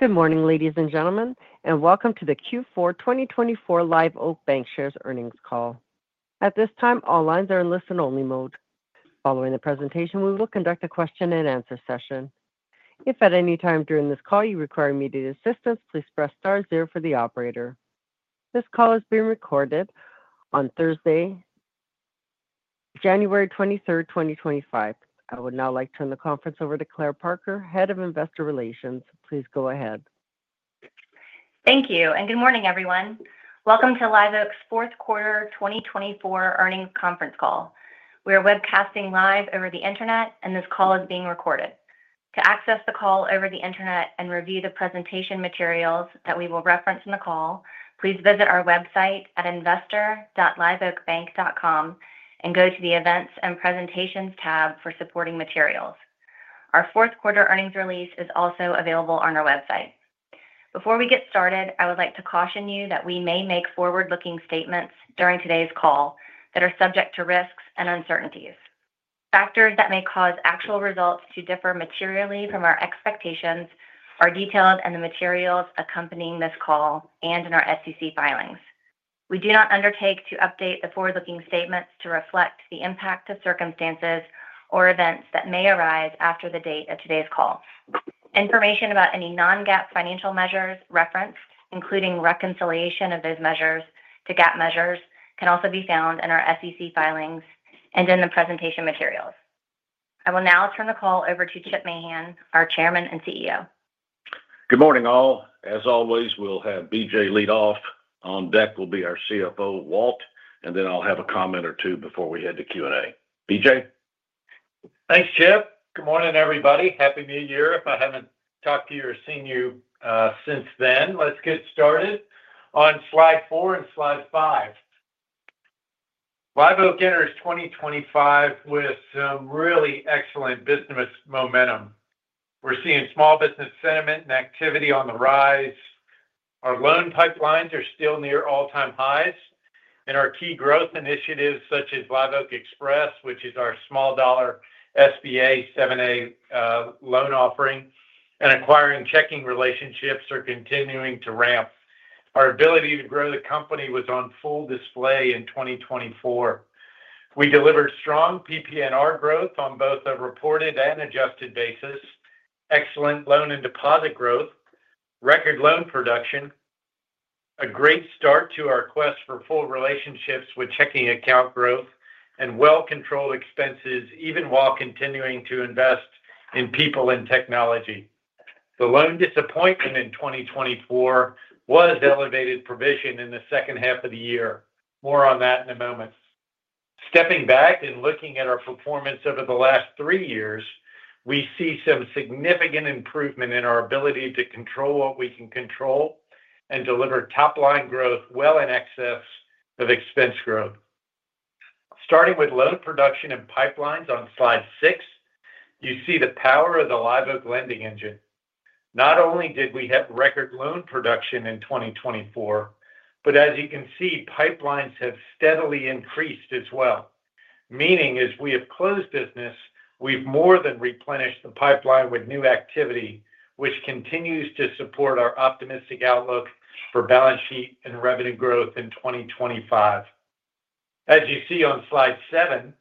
Good morning, ladies and gentlemen, and welcome to the Q4 2024 Live Oak Bancshares earnings call. At this time, all lines are in listen-only mode. Following the presentation, we will conduct a question-and-answer session. If at any time during this call you require immediate assistance, please press star zero for the operator. This call is being recorded on Thursday, January 23rd, 2025. I would now like to turn the conference over to Claire Parker, Head of Investor Relations. Please go ahead. Thank you, and good morning, everyone. Welcome to Live Oak's fourth quarter 2024 earnings conference call. We are webcasting live over the internet, and this call is being recorded. To access the call over the internet and review the presentation materials that we will reference in the call, please visit our website at investor.liveoakbank.com and go to the Events and Presentations tab for supporting materials. Our fourth quarter earnings release is also available on our website. Before we get started, I would like to caution you that we may make forward-looking statements during today's call that are subject to risks and uncertainties. Factors that may cause actual results to differ materially from our expectations are detailed in the materials accompanying this call and in our SEC filings. We do not undertake to update the forward-looking statements to reflect the impact of circumstances or events that may arise after the date of today's call. Information about any non-GAAP financial measures referenced, including reconciliation of those measures to GAAP measures, can also be found in our SEC filings and in the presentation materials. I will now turn the call over to Chip Mahan, our Chairman and CEO. Good morning, all. As always, we'll have BJ lead off. On deck will be our CFO, Walt, and then I'll have a comment or two before we head to Q&A. BJ? Thanks, Chip. Good morning, everybody. Happy New Year. If I haven't talked to you or seen you since then, let's get started on slide four and slide five. Live Oak enters 2025 with some really excellent business momentum. We're seeing small business sentiment and activity on the rise. Our loan pipelines are still near all-time highs, and our key growth initiatives such as Live Oak Express, which is our small dollar SBA 7(a) loan offering and acquiring checking relationships, are continuing to ramp. Our ability to grow the company was on full display in 2024. We delivered strong PP&R growth on both a reported and adjusted basis, excellent loan and deposit growth, record loan production, a great start to our quest for full relationships with checking account growth, and well-controlled expenses even while continuing to invest in people and technology. The loan disappointment in 2024 was elevated provision in the second half of the year. More on that in a moment. Stepping back and looking at our performance over the last three years, we see some significant improvement in our ability to control what we can control and deliver top-line growth well in excess of expense growth. Starting with loan production and pipelines, on slide six, you see the power of the Live Oak lending engine. Not only did we have record loan production in 2024, but as you can see, pipelines have steadily increased as well. Meaning, as we have closed business, we've more than replenished the pipeline with new activity, which continues to support our optimistic outlook for balance sheet and revenue growth in 2025. As you see on slide seven,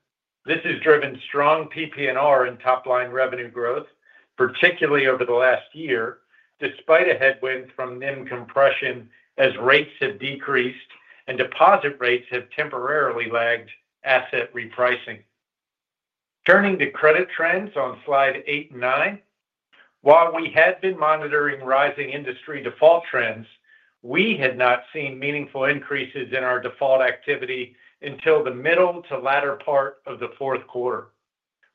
this has driven strong PP&R and top-line revenue growth, particularly over the last year, despite a headwind from NIM compression as rates have decreased and deposit rates have temporarily lagged asset repricing. Turning to credit trends on slide eight and nine, while we had been monitoring rising industry default trends, we had not seen meaningful increases in our default activity until the middle to latter part of the fourth quarter.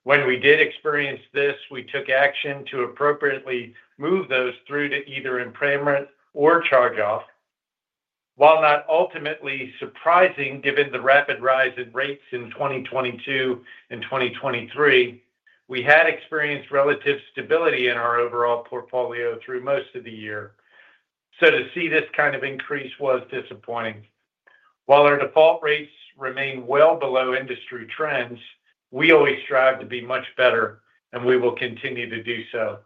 When we did experience this, we took action to appropriately move those through to either impairment or charge-off. While not ultimately surprising given the rapid rise in rates in 2022 and 2023, we had experienced relative stability in our overall portfolio through most of the year. So to see this kind of increase was disappointing. While our default rates remain well below industry trends, we always strive to be much better, and we will continue to do so.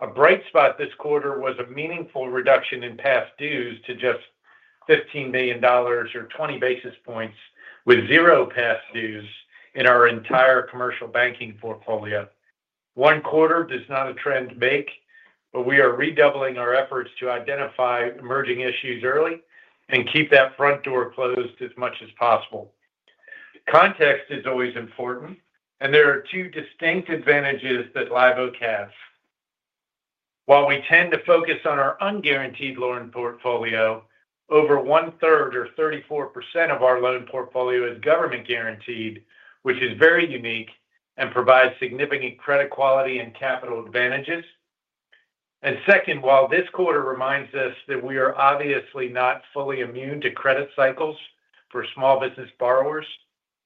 A bright spot this quarter was a meaningful reduction in past dues to just $15 million or 20 basis points, with zero past dues in our entire commercial banking portfolio. One quarter does not a trend make, but we are redoubling our efforts to identify emerging issues early and keep that front door closed as much as possible. Context is always important, and there are two distinct advantages that Live Oak has. While we tend to focus on our unguaranteed loan portfolio, over one-third or 34% of our loan portfolio is government-guaranteed, which is very unique and provides significant credit quality and capital advantages. Second, while this quarter reminds us that we are obviously not fully immune to credit cycles for small business borrowers,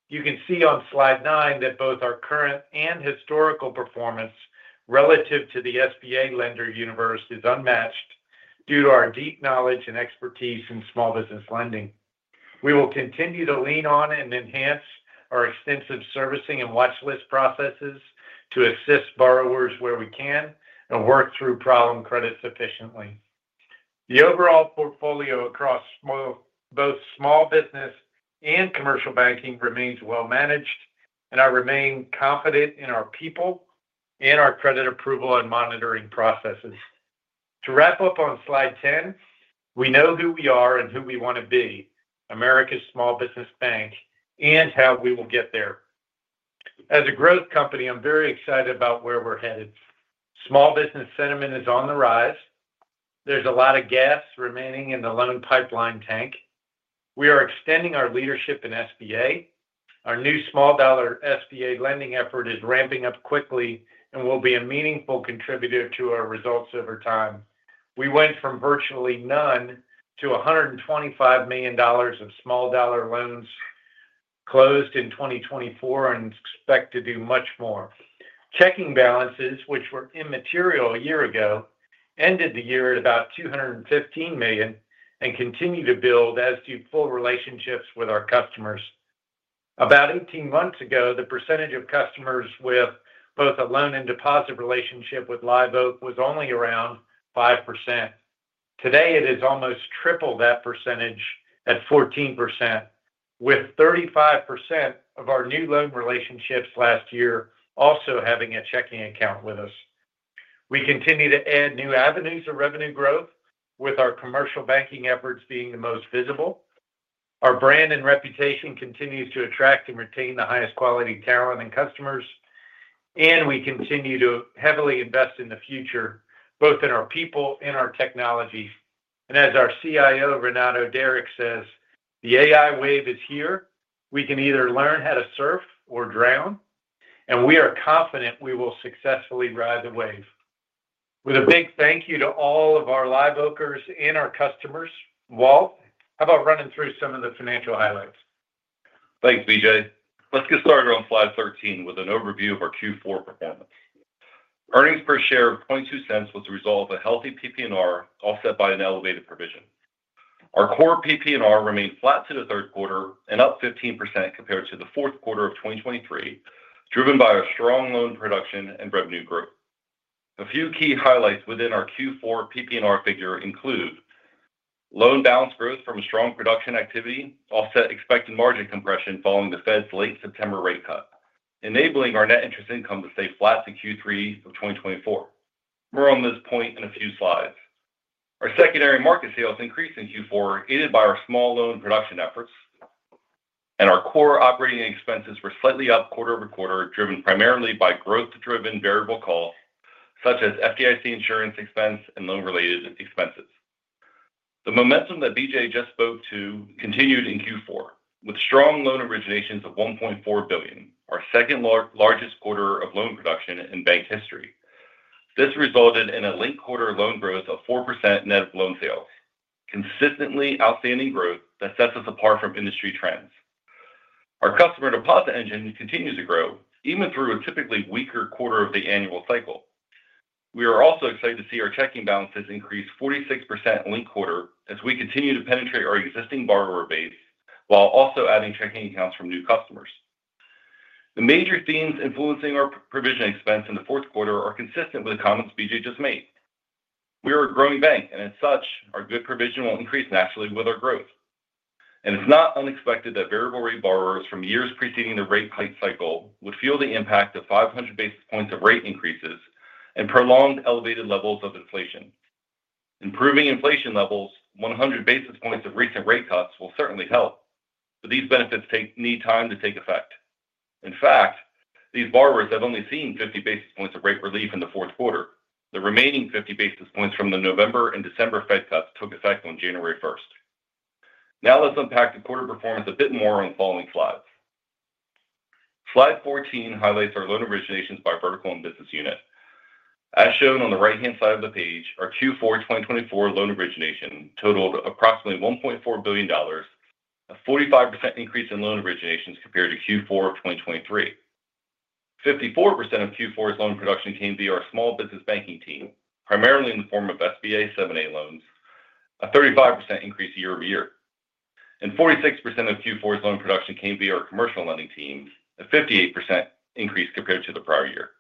you can see on slide nine that both our current and historical performance relative to the SBA lender universe is unmatched due to our deep knowledge and expertise in small business lending. We will continue to lean on and enhance our extensive servicing and watchlist processes to assist borrowers where we can and work through problem credits efficiently. The overall portfolio across both small business and commercial banking remains well-managed, and I remain confident in our people and our credit approval and monitoring processes. To wrap up on slide 10, we know who we are and who we want to be, America's Small Business Bank, and how we will get there. As a growth company, I'm very excited about where we're headed. Small business sentiment is on the rise. There's a lot of gas remaining in the loan pipeline tank. We are extending our leadership in SBA. Our new small dollar SBA lending effort is ramping up quickly and will be a meaningful contributor to our results over time. We went from virtually none to $125 million of small dollar loans closed in 2024 and expect to do much more. Checking balances, which were immaterial a year ago, ended the year at about $215 million and continue to build as do full relationships with our customers. About 18 months ago, the percentage of customers with both a loan and deposit relationship with Live Oak was only around 5%. Today, it has almost tripled that percentage at 14%, with 35% of our new loan relationships last year also having a checking account with us. We continue to add new avenues of revenue growth, with our commercial banking efforts being the most visible. Our brand and reputation continues to attract and retain the highest quality talent and customers, and we continue to heavily invest in the future, both in our people and our technology. And as our CIO, Renato Derraik, says, "The AI wave is here. We can either learn how to surf or drown," and we are confident we will successfully ride the wave. With a big thank you to all of our Live Oakers and our customers. Walt, how about running through some of the financial highlights? Thanks, BJ. Let's get started on slide 13 with an overview of our Q4 performance. Earnings per share of $0.22 was the result of a healthy PP&R offset by an elevated provision. Our core PP&R remained flat through the third quarter and up 15% compared to the fourth quarter of 2023, driven by our strong loan production and revenue growth. A few key highlights within our Q4 PP&R figure include loan balance growth from strong production activity offset expected margin compression following the Fed's late September rate cut, enabling our net interest income to stay flat in Q3 of 2024. More on this point in a few slides. Our secondary market sales increased in Q4, aided by our small loan production efforts, and our core operating expenses were slightly up quarter-over-quarter, driven primarily by growth-driven variable costs such as FDIC insurance expense and loan-related expenses. The momentum that BJ just spoke to continued in Q4, with strong loan originations of $1.4 billion, our second largest quarter of loan production in bank history. This resulted in a late quarter loan growth of 4% net loan sales, consistently outstanding growth that sets us apart from industry trends. Our customer deposit engine continues to grow, even through a typically weaker quarter of the annual cycle. We are also excited to see our checking balances increase 46% late quarter as we continue to penetrate our existing borrower base while also adding checking accounts from new customers. The major themes influencing our provision expense in the fourth quarter are consistent with the comments BJ just made. We are a growing bank, and as such, our good provision will increase naturally with our growth. It's not unexpected that variable-rate borrowers from years preceding the rate hike cycle would feel the impact of 500 basis points of rate increases and prolonged elevated levels of inflation. Improving inflation levels, 100 basis points of recent rate cuts will certainly help, but these benefits need time to take effect. In fact, these borrowers have only seen 50 basis points of rate relief in the fourth quarter. The remaining 50 basis points from the November and December Fed cuts took effect on January 1st. Now let's unpack the quarter performance a bit more on the following slides. Slide 14 highlights our loan originations by vertical and business unit. As shown on the right-hand side of the page, our Q4 2024 loan origination totaled approximately $1.4 billion, a 45% increase in loan originations compared to Q4 of 2023. 54% of Q4's loan production came via our small business banking team, primarily in the form of SBA 7(a) loans, a 35% increase year-over-year. And 46% of Q4's loan production came via our commercial lending teams, a 58% increase compared to the prior year.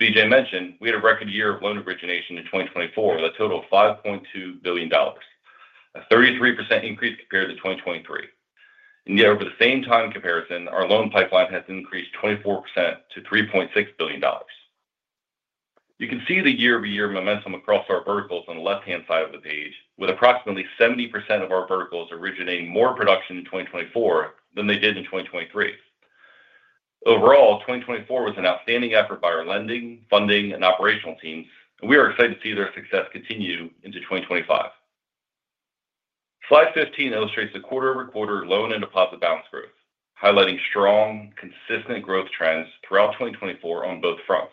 As BJ mentioned, we had a record year of loan origination in 2024 with a total of $5.2 billion, a 33% increase compared to 2023. And yet, over the same time comparison, our loan pipeline has increased 24% to $3.6 billion. You can see the year-over-year momentum across our verticals on the left-hand side of the page, with approximately 70% of our verticals originating more production in 2024 than they did in 2023. Overall, 2024 was an outstanding effort by our lending, funding, and operational teams, and we are excited to see their success continue into 2025. Slide 15 illustrates the quarter-over-quarter loan and deposit balance growth, highlighting strong, consistent growth trends throughout 2024 on both fronts.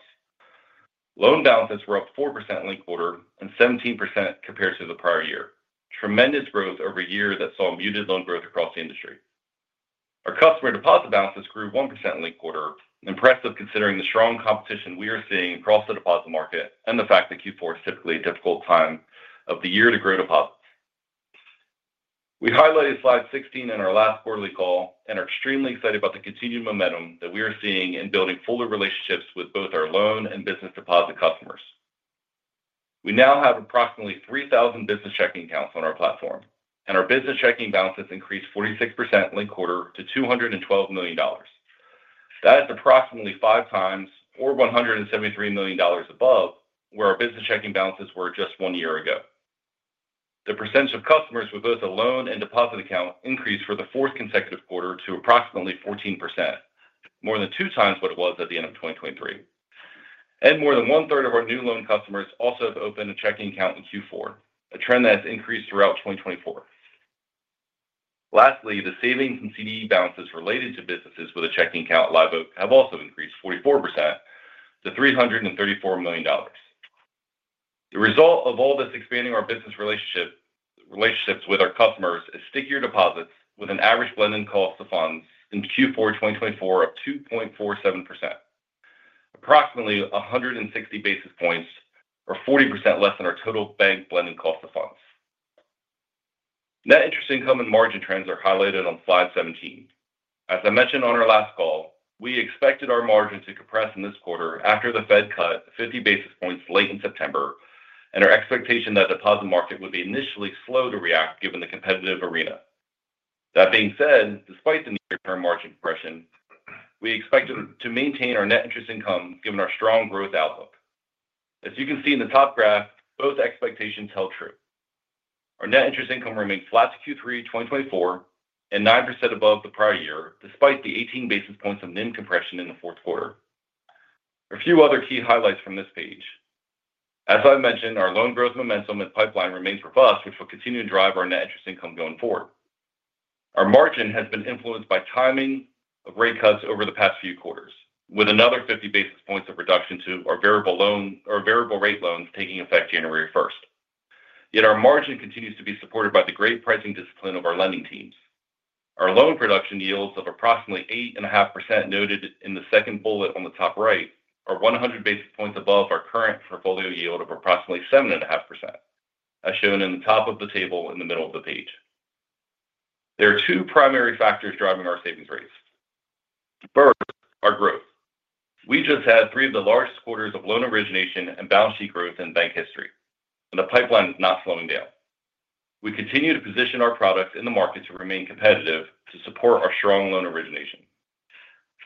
Loan balances were up 4% linked quarter and 17% compared to the prior year, tremendous growth over a year that saw muted loan growth across the industry. Our customer deposit balances grew 1% linked quarter, impressive considering the strong competition we are seeing across the deposit market and the fact that Q4 is typically a difficult time of the year to grow deposits. We highlighted slide 16 in our last quarterly call and are extremely excited about the continued momentum that we are seeing in building fuller relationships with both our loan and business deposit customers. We now have approximately 3,000 business checking accounts on our platform, and our business checking balances increased 46% linked quarter to $212 million. That is approximately five times or $173 million above where our business checking balances were just one year ago. The percentage of customers with both a loan and deposit account increased for the fourth consecutive quarter to approximately 14%, more than two times what it was at the end of 2023. And more than one-third of our new loan customers also have opened a checking account in Q4, a trend that has increased throughout 2024. Lastly, the savings and CD balances related to businesses with a checking account at Live Oak have also increased 44% to $334 million. The result of all this expanding our business relationships with our customers is stickier deposits with an average blended cost of funds in Q4 2024 of 2.47%, approximately 160 basis points or 40% less than our total bank blended cost of funds. Net interest income and margin trends are highlighted on slide 17. As I mentioned on our last call, we expected our margin to compress in this quarter after the Fed cut 50 basis points late in September, and our expectation that the deposit market would be initially slow to react given the competitive arena. That being said, despite the near-term margin compression, we expected to maintain our net interest income given our strong growth outlook. As you can see in the top graph, both expectations held true. Our net interest income remained flat to Q3 2024 and 9% above the prior year, despite the 18 basis points of NIM compression in the fourth quarter. A few other key highlights from this page. As I mentioned, our loan growth momentum and pipeline remains robust, which will continue to drive our net interest income going forward. Our margin has been influenced by timing of rate cuts over the past few quarters, with another 50 basis points of reduction to our variable loan or variable rate loans taking effect January 1st. Yet our margin continues to be supported by the great pricing discipline of our lending teams. Our loan production yields of approximately 8.5% noted in the second bullet on the top right are 100 basis points above our current portfolio yield of approximately 7.5%, as shown in the top of the table in the middle of the page. There are two primary factors driving our savings rates. First, our growth. We just had three of the largest quarters of loan origination and balance sheet growth in bank history, and the pipeline is not slowing down. We continue to position our products in the market to remain competitive to support our strong loan origination.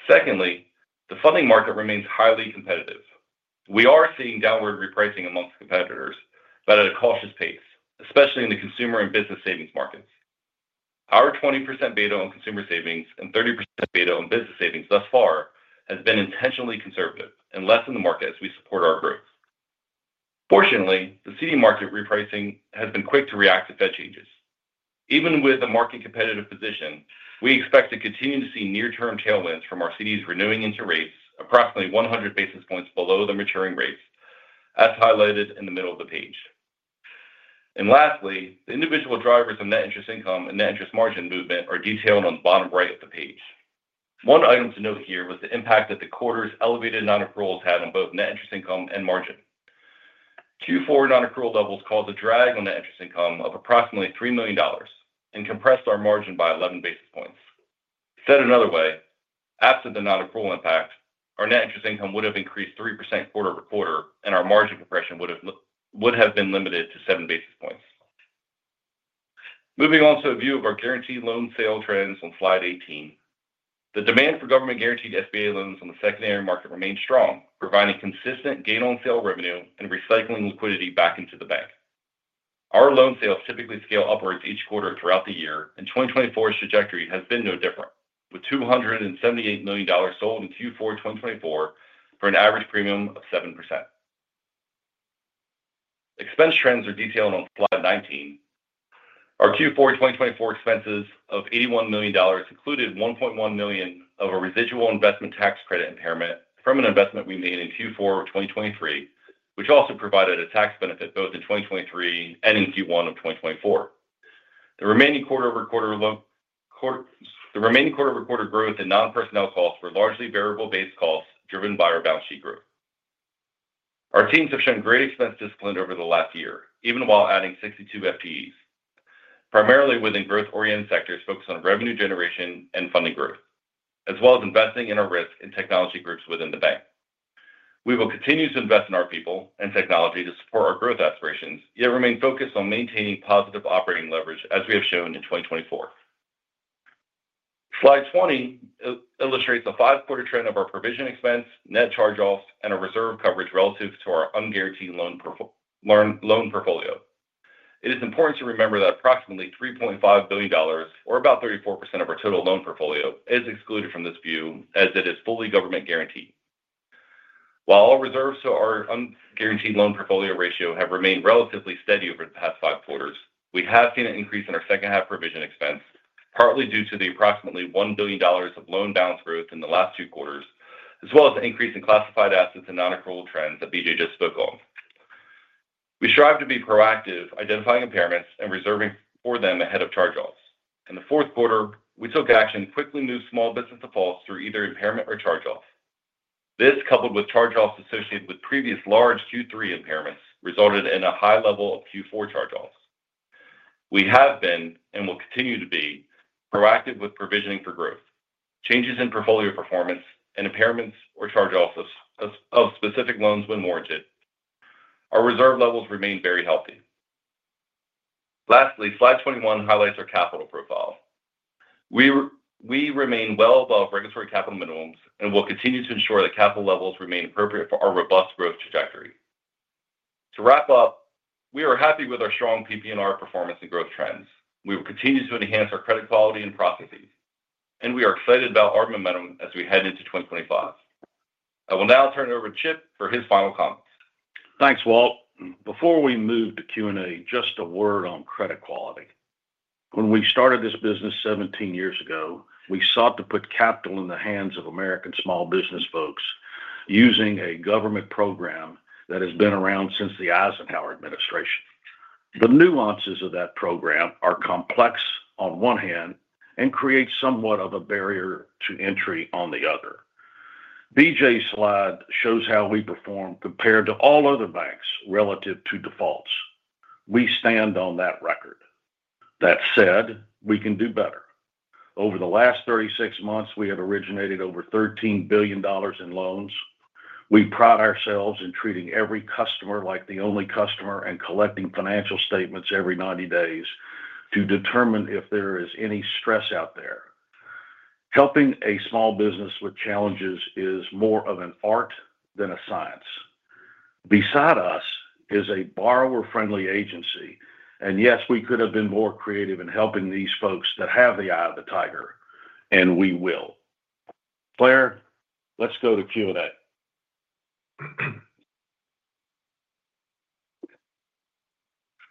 Secondly, the funding market remains highly competitive. We are seeing downward repricing among competitors, but at a cautious pace, especially in the consumer and business savings markets. Our 20% beta on consumer savings and 30% beta on business savings thus far has been intentionally conservative and less in the market as we support our growth. Fortunately, the CD market repricing has been quick to react to Fed changes. Even with a market-competitive position, we expect to continue to see near-term tailwinds from our CDs renewing into rates, approximately 100 basis points below the maturing rates, as highlighted in the middle of the page. Lastly, the individual drivers of net interest income and net interest margin movement are detailed on the bottom right of the page. One item to note here was the impact that the quarter's elevated non-accruals had on both net interest income and margin. Q4 non-accrual levels caused a drag on net interest income of approximately $3 million and compressed our margin by 11 basis points. Said another way, after the non-accrual impact, our net interest income would have increased 3% quarter-over-quarter, and our margin compression would have been limited to 7 basis points. Moving on to a view of our guaranteed loan sale trends on slide 18. The demand for government-guaranteed SBA loans on the secondary market remains strong, providing consistent gain-on-sale revenue and recycling liquidity back into the bank. Our loan sales typically scale upwards each quarter throughout the year, and 2024's trajectory has been no different, with $278 million sold in Q4 2024 for an average premium of 7%. Expense trends are detailed on slide 19. Our Q4 2024 expenses of $81 million included $1.1 million of a residual investment tax credit impairment from an investment we made in Q4 of 2023, which also provided a tax benefit both in 2023 and in Q1 of 2024. The remaining quarter-over-quarter growth and non-personnel costs were largely variable-based costs driven by our balance sheet growth. Our teams have shown great expense discipline over the last year, even while adding 62 FTEs, primarily within growth-oriented sectors focused on revenue generation and funding growth, as well as investing in our risk and technology groups within the bank. We will continue to invest in our people and technology to support our growth aspirations, yet remain focused on maintaining positive operating leverage as we have shown in 2024. Slide 20 illustrates the five-quarter trend of our provision expense, net charge-offs, and our reserve coverage relative to our unguaranteed loan portfolio. It is important to remember that approximately $3.5 billion, or about 34% of our total loan portfolio, is excluded from this view as it is fully government-guaranteed. While all reserves to our unguaranteed loan portfolio ratio have remained relatively steady over the past five quarters, we have seen an increase in our second-half provision expense, partly due to the approximately $1 billion of loan balance growth in the last two quarters, as well as the increase in classified assets and non-accrual trends that BJ just spoke on. We strive to be proactive, identifying impairments and reserving for them ahead of charge-offs. In the fourth quarter, we took action and quickly moved small business defaults through either impairment or charge-off. This, coupled with charge-offs associated with previous large Q3 impairments, resulted in a high level of Q4 charge-offs. We have been and will continue to be proactive with provisioning for growth, changes in portfolio performance, and impairments or charge-offs of specific loans when warranted. Our reserve levels remain very healthy. Lastly, slide 21 highlights our capital profile. We remain well above regulatory capital minimums and will continue to ensure that capital levels remain appropriate for our robust growth trajectory. To wrap up, we are happy with our strong PP&R performance and growth trends. We will continue to enhance our credit quality and processes, and we are excited about our momentum as we head into 2025. I will now turn it over to Chip for his final comments. Thanks, Walt. Before we move to Q&A, just a word on credit quality. When we started this business 17 years ago, we sought to put capital in the hands of American small business folks using a government program that has been around since the Eisenhower administration. The nuances of that program are complex on one hand and create somewhat of a barrier to entry on the other. BJ's slide shows how we perform compared to all other banks relative to defaults. We stand on that record. That said, we can do better. Over the last 36 months, we have originated over $13 billion in loans. We pride ourselves in treating every customer like the only customer and collecting financial statements every 90 days to determine if there is any stress out there. Helping a small business with challenges is more of an art than a science. Beside us is a borrower-friendly agency, and yes, we could have been more creative in helping these folks that have the eye of the tiger, and we will. Claire, let's go to Q&A.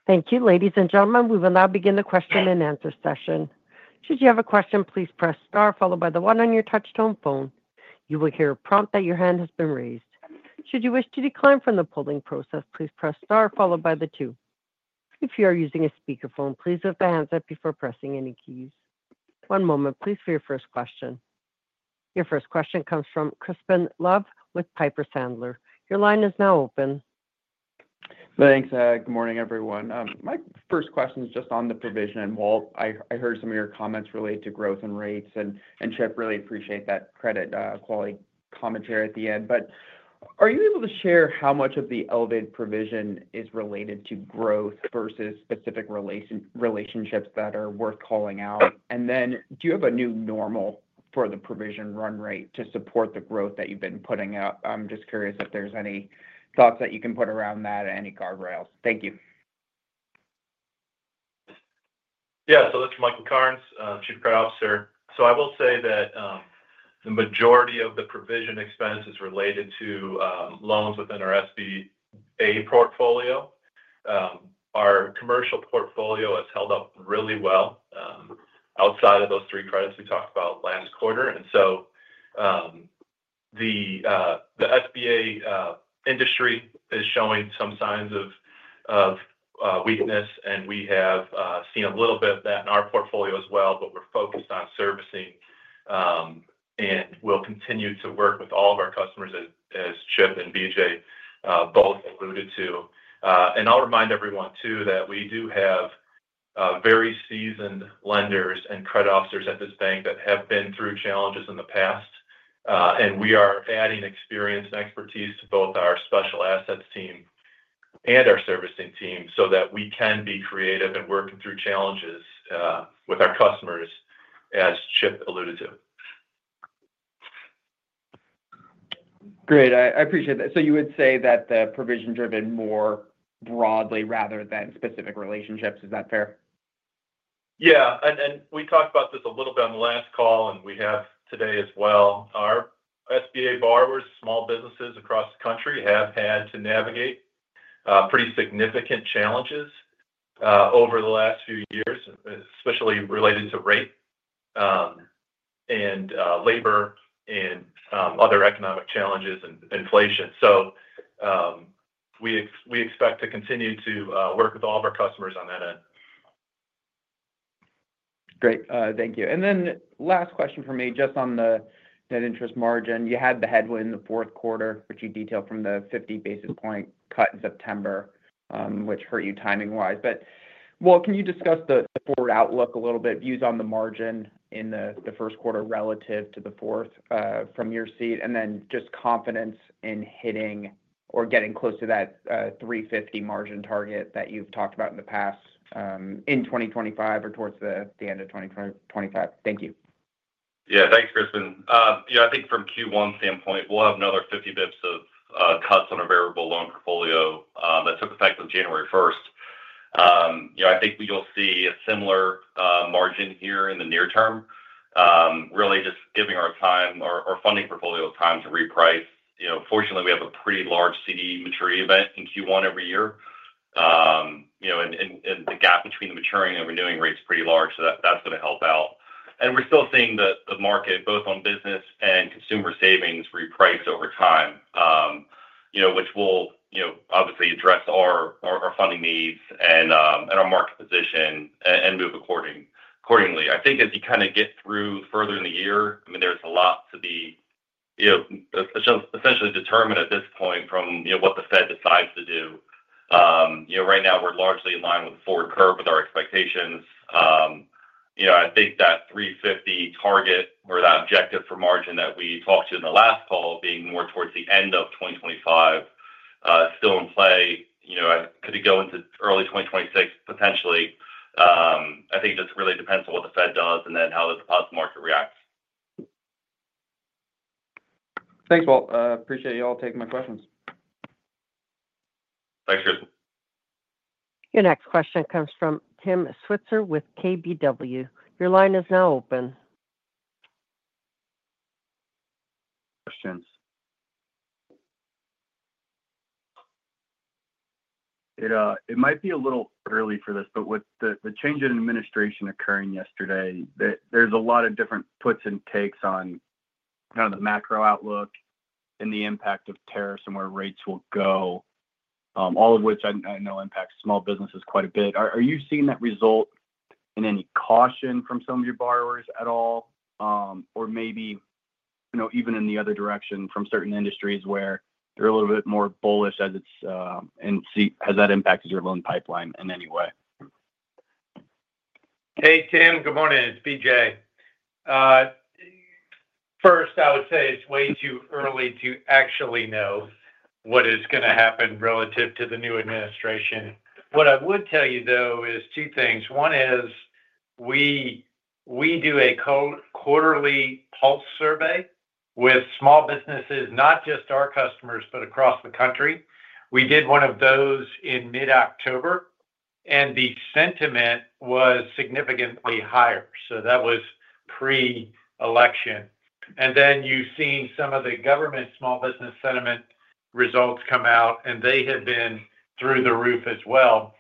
Thank you, ladies and gentlemen. We will now begin the question-and-answer session. Should you have a question, please press star followed by the one on your touch-tone phone. You will hear a prompt that your hand has been raised. Should you wish to decline from the queue, please press star followed by the two. If you are using a speakerphone, please lift the handset up before pressing any keys. One moment, please, for your first question. Your first question comes from Crispin Love with Piper Sandler. Your line is now open. Thanks. Good morning, everyone. My first question is just on the provision. Walt, I heard some of your comments related to growth and rates, and Chip really appreciates that credit quality commentary at the end. But are you able to share how much of the elevated provision is related to growth versus specific relationships that are worth calling out? And then do you have a new normal for the provision run rate to support the growth that you've been putting out? I'm just curious if there's any thoughts that you can put around that and any guardrails. Thank you. Yeah, so this is Michael Cairns, Chief Credit Officer. So I will say that the majority of the provision expenses related to loans within our SBA portfolio. Our commercial portfolio has held up really well outside of those three credits we talked about last quarter. And so the SBA industry is showing some signs of weakness, and we have seen a little bit of that in our portfolio as well, but we're focused on servicing and will continue to work with all of our customers, as Chip and BJ both alluded to. And I'll remind everyone too that we do have very seasoned lenders and credit officers at this bank that have been through challenges in the past, and we are adding experience and expertise to both our special assets team and our servicing team so that we can be creative and working through challenges with our customers, as Chip alluded to. Great. I appreciate that. So you would say that the provision driven more broadly rather than specific relationships? Is that fair? Yeah. And we talked about this a little bit on the last call, and we have today as well. Our SBA borrowers, small businesses across the country, have had to navigate pretty significant challenges over the last few years, especially related to rate and labor and other economic challenges and inflation. So we expect to continue to work with all of our customers on that end. Great. Thank you. And then last question for me, just on the net interest margin. You had the headwind in the fourth quarter, which you detailed from the 50 basis points cut in September, which hurt you timing-wise. But, Walt, can you discuss the forward outlook a little bit, views on the margin in the first quarter relative to the fourth from your seat, and then just confidence in hitting or getting close to that 350 margin target that you've talked about in the past in 2025 or towards the end of 2025? Thank you. Yeah, thanks, Crispin. I think from Q1 standpoint, we'll have another 50 basis points of cuts on a variable loan portfolio that took effect on January 1st. I think we'll see a similar margin here in the near term, really just giving our time or our funding portfolio time to reprice. Fortunately, we have a pretty large CD maturity event in Q1 every year, and the gap between the maturing and renewing rate is pretty large, so that's going to help out. We're still seeing the market, both on business and consumer savings, repriced over time, which will obviously address our funding needs and our market position and move accordingly. I think as you kind of get through further in the year, I mean, there's a lot to be essentially determined at this point from what the Fed decides to do. Right now, we're largely in line with the forward curve with our expectations. I think that 350 target or that objective for margin that we talked to in the last call being more towards the end of 2025 is still in play. Could it go into early 2026 potentially? I think it just really depends on what the Fed does and then how the deposit market reacts. Thanks, Walt. Appreciate y'all taking my questions. Thanks, Crispin. Your next question comes from Tim Switzer with KBW. Your line is now open. Questions. It might be a little early for this, but with the change in administration occurring yesterday, there's a lot of different puts and takes on kind of the macro outlook and the impact of tariffs and where rates will go, all of which I know impacts small businesses quite a bit. Are you seeing that result in any caution from some of your borrowers at all, or maybe even in the other direction from certain industries where they're a little bit more bullish? And has that impacted your loan pipeline in any way? Hey, Tim. Good morning. It's BJ. First, I would say it's way too early to actually know what is going to happen relative to the new administration. What I would tell you, though, is two things. One is we do a quarterly pulse survey with small businesses, not just our customers, but across the country. We did one of those in mid-October, and the sentiment was significantly higher. So that was pre-election. And then you've seen some of the government small business sentiment results come out, and they have been through the roof as well.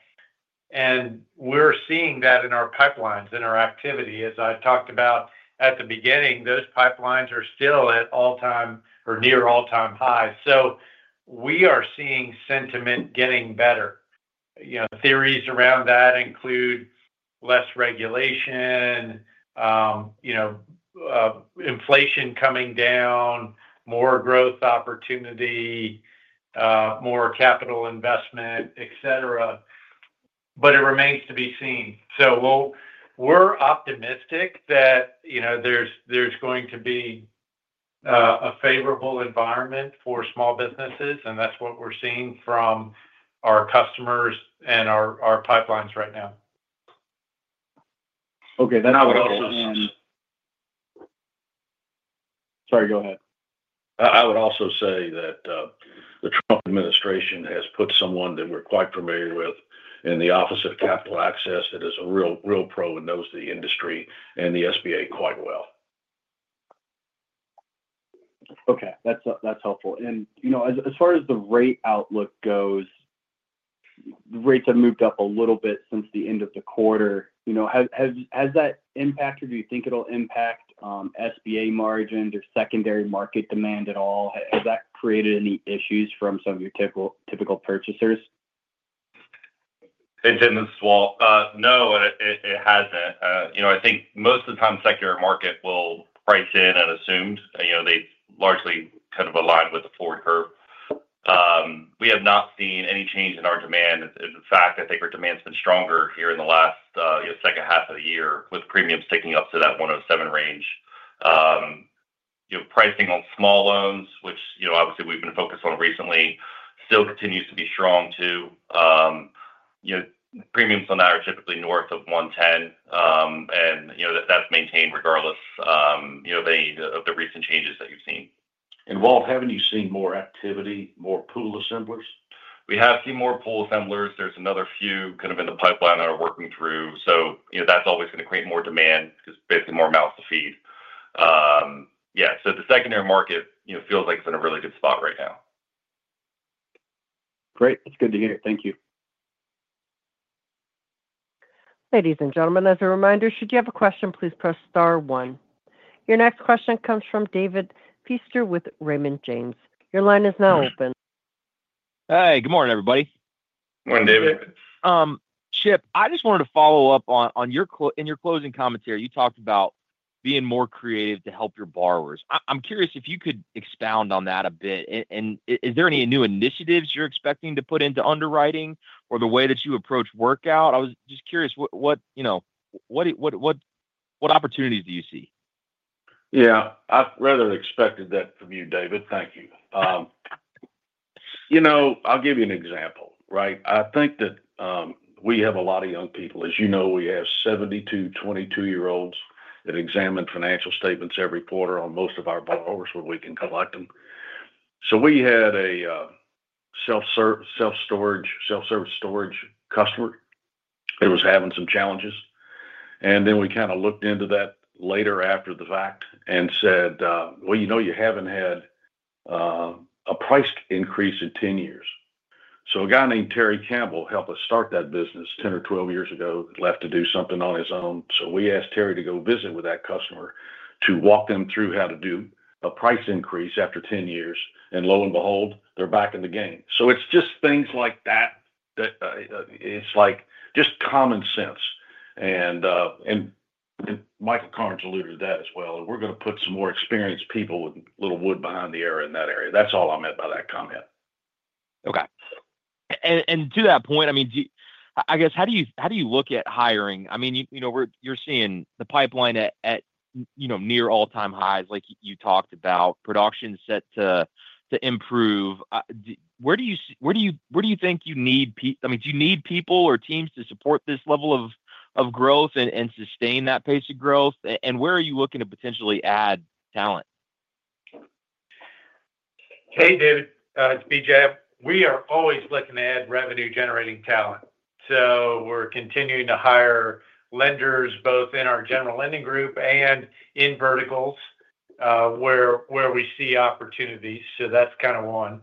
And we're seeing that in our pipelines and our activity. As I talked about at the beginning, those pipelines are still at all-time or near all-time highs. So we are seeing sentiment getting better. Theories around that include less regulation, inflation coming down, more growth opportunity, more capital investment, etc. But it remains to be seen. So we're optimistic that there's going to be a favorable environment for small businesses, and that's what we're seeing from our customers and our pipelines right now. Okay. Then I would also say. Sorry, go ahead. I would also say that the Trump administration has put someone that we're quite familiar with in the Office of Capital Access that is a real pro and knows the industry and the SBA quite well. Okay. That's helpful. And as far as the rate outlook goes, rates have moved up a little bit since the end of the quarter. Has that impacted or do you think it'll impact SBA margins, their secondary market demand at all? Has that created any issues from some of your typical purchasers? Hey, Tim, this is Walt. No, it hasn't. I think most of the time secondary market will price in and assume. They largely kind of align with the forward curve. We have not seen any change in our demand. In fact, I think our demand's been stronger here in the latter half of the year with premiums sticking up to that 107 range. Pricing on small loans, which obviously we've been focused on recently, still continues to be strong too. Premiums on that are typically north of 110, and that's maintained regardless of the recent changes that you've seen. Walt, haven't you seen more activity, more pool assemblers? We have seen more pool assemblers. There's another few kind of in the pipeline that are working through. So that's always going to create more demand because basically more mouths to feed. Yeah. So the secondary market feels like it's in a really good spot right now. Great. It's good to hear. Thank you. Ladies and gentlemen, as a reminder, should you have a question, please press star one. Your next question comes from David Feaster with Raymond James. Your line is now open. Hey, good morning, everybody. Morning, David. Chip, I just wanted to follow up on your closing commentary. You talked about being more creative to help your borrowers. I'm curious if you could expound on that a bit. And is there any new initiatives you're expecting to put into underwriting or the way that you approach workout? I was just curious what opportunities do you see? Yeah. I'd rather expected that from you, David. Thank you. I'll give you an example, right? I think that we have a lot of young people. As you know, we have 72 22-year-olds that examine financial statements every quarter on most of our borrowers where we can collect them. So we had a self-service storage customer that was having some challenges. And then we kind of looked into that later after the fact and said, "Well, you know you haven't had a price increase in 10 years." So a guy named Terry Campbell helped us start that business 10 or 12 years ago, left to do something on his own. So we asked Terry to go visit with that customer to walk them through how to do a price increase after 10 years. And lo and behold, they're back in the game. So it's just things like that. It's, like, just common sense. And Michael Cairns alluded to that as well. And we're going to put some more experienced people with a little wood behind the arrow in that area. That's all I meant by that comment. Okay. And to that point, I mean, I guess how do you look at hiring? I mean, you're seeing the pipeline at near all-time highs like you talked about, production set to improve. Where do you think you need people? I mean, do you need people or teams to support this level of growth and sustain that pace of growth? And where are you looking to potentially add talent? Hey, David. It's BJ. We are always looking to add revenue-generating talent. So we're continuing to hire lenders both in our general lending group and in verticals where we see opportunities. So that's kind of one.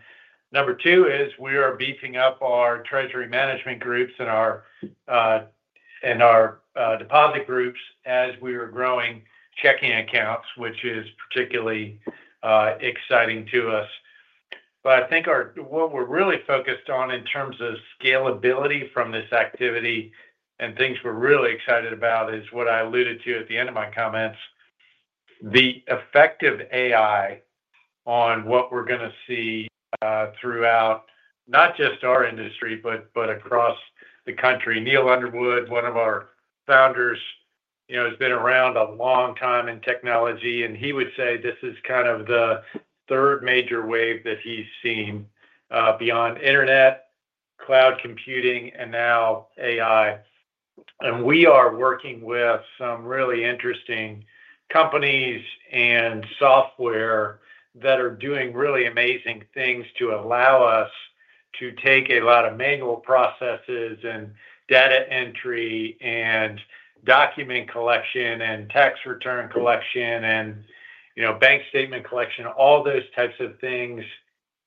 Number two is we are beefing up our treasury management groups and our deposit groups as we are growing checking accounts, which is particularly exciting to us, but I think what we're really focused on in terms of scalability from this activity and things we're really excited about is what I alluded to at the end of my comments, the effect of AI on what we're going to see throughout not just our industry, but across the country. Neil Underwood, one of our founders, has been around a long time in technology, and he would say this is kind of the third major wave that he's seen beyond internet, cloud computing, and now AI. We are working with some really interesting companies and software that are doing really amazing things to allow us to take a lot of manual processes and data entry and document collection and tax return collection and bank statement collection, all those types of things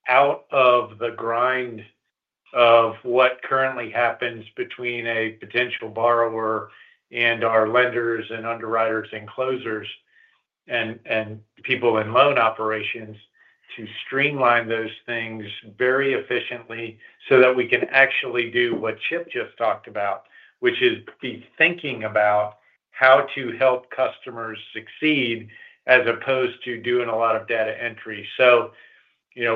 out of the grind of what currently happens between a potential borrower and our lenders and underwriters and closers and people in loan operations to streamline those things very efficiently so that we can actually do what Chip just talked about, which is be thinking about how to help customers succeed as opposed to doing a lot of data entry.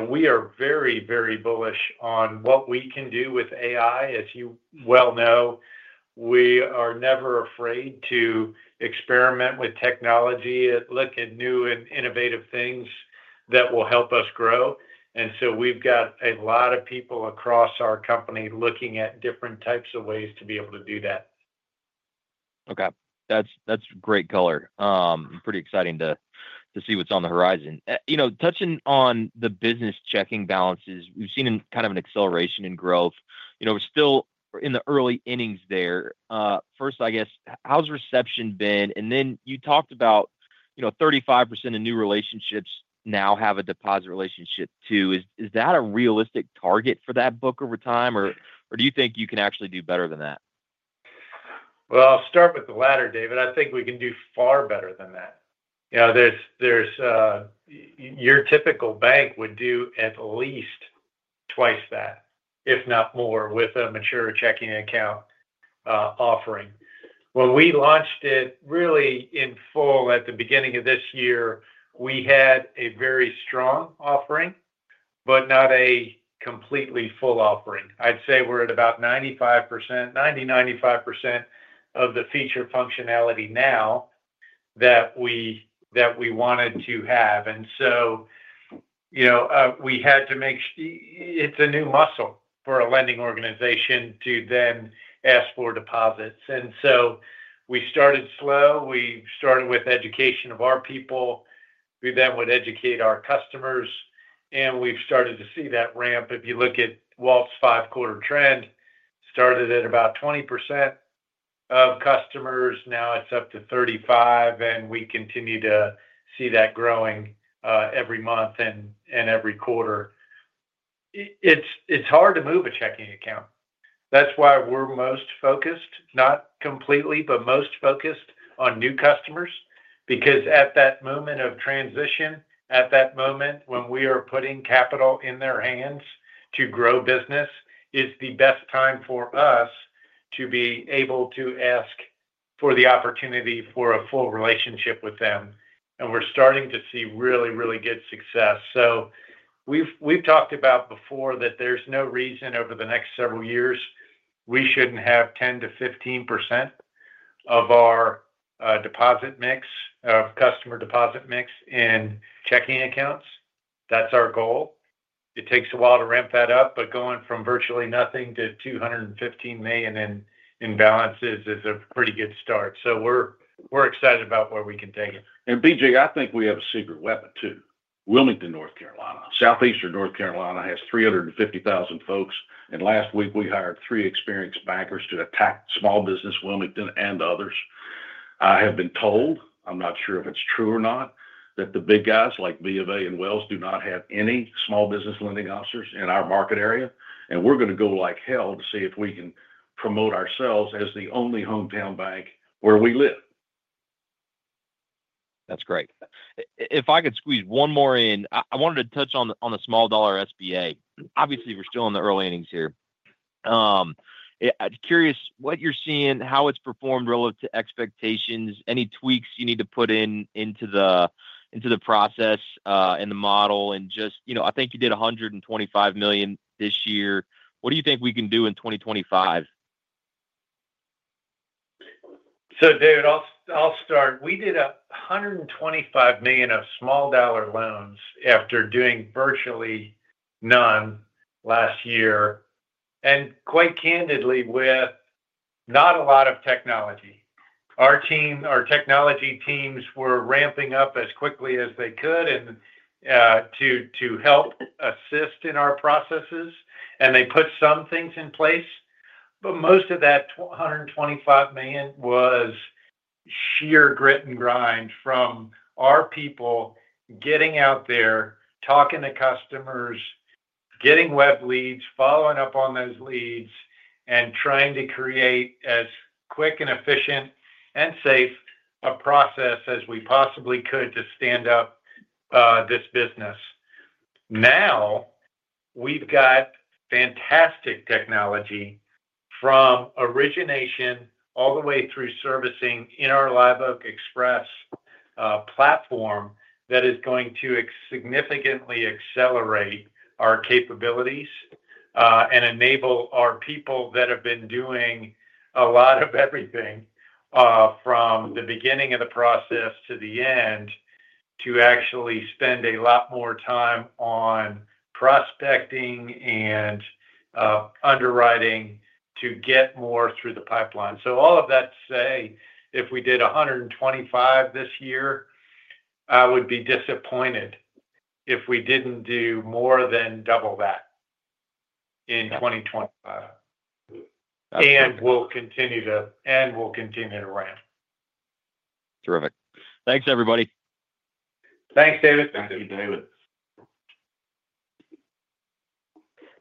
We are very, very bullish on what we can do with AI. As you well know, we are never afraid to experiment with technology, look at new and innovative things that will help us grow. And so we've got a lot of people across our company looking at different types of ways to be able to do that. Okay. That's great color. Pretty exciting to see what's on the horizon. Touching on the business checking balances, we've seen kind of an acceleration in growth. We're still in the early innings there. First, I guess, how's reception been? And then you talked about 35% of new relationships now have a deposit relationship too. Is that a realistic target for that book over time, or do you think you can actually do better than that? Well, I'll start with the latter, David. I think we can do far better than that. Your typical bank would do at least twice that, if not more, with a mature checking account offering. When we launched it really in full at the beginning of this year, we had a very strong offering, but not a completely full offering. I'd say we're at about 90%-95% of the feature functionality now that we wanted to have, and so we had to make sure it's a new muscle for a lending organization to then ask for deposits, and so we started slow. We started with education of our people. We then would educate our customers, and we've started to see that ramp. If you look at Walt's five-quarter trend, started at about 20% of customers. Now it's up to 35%, and we continue to see that growing every month and every quarter. It's hard to move a checking account. That's why we're most focused, not completely, but most focused on new customers because at that moment of transition, at that moment when we are putting capital in their hands to grow business, is the best time for us to be able to ask for the opportunity for a full relationship with them. And we're starting to see really, really good success. So we've talked about before that there's no reason over the next several years we shouldn't have 10%-15% of our deposit mix, of customer deposit mix in checking accounts. That's our goal. It takes a while to ramp that up, but going from virtually nothing to $215 million in balances is a pretty good start. So we're excited about where we can take it. And BJ, I think we have a secret weapon too. Wilmington, North Carolina, Southeastern North Carolina has 350,000 folks. Last week, we hired three experienced bankers to attack small business Wilmington and others. I have been told, I'm not sure if it's true or not, that the big guys like BofA and Wells do not have any small business lending officers in our market area. We're going to go like hell to see if we can promote ourselves as the only hometown bank where we live. That's great. If I could squeeze one more in, I wanted to touch on the small dollar SBA. Obviously, we're still in the early innings here. Curious what you're seeing, how it's performed relative to expectations, any tweaks you need to put into the process and the model? And just, I think you did $125 million this year. What do you think we can do in 2025? David, I'll start. We did $125 million of small dollar loans after doing virtually none last year, and quite candidly, with not a lot of technology. Our technology teams were ramping up as quickly as they could to help assist in our processes, and they put some things in place, but most of that $125 million was sheer grit and grind from our people getting out there, talking to customers, getting web leads, following up on those leads, and trying to create as quick and efficient and safe a process as we possibly could to stand up this business. Now we've got fantastic technology from origination all the way through servicing in our Live Oak Express platform that is going to significantly accelerate our capabilities and enable our people that have been doing a lot of everything from the beginning of the process to the end to actually spend a lot more time on prospecting and underwriting to get more through the pipeline. So all of that to say, if we did 125 this year, I would be disappointed if we didn't do more than double that in 2025. And we'll continue to ramp. Terrific. Thanks, everybody. Thanks, David. Thank you, David.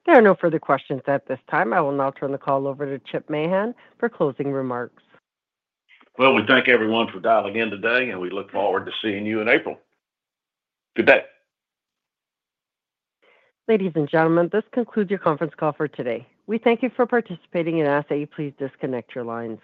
There are no further questions at this time. I will now turn the call over to Chip Mahan for closing remarks. Well, we thank everyone for dialing in today, and we look forward to seeing you in April. Good day. Ladies and gentlemen, this concludes your conference call for today. We thank you for participating and ask that you please disconnect your lines.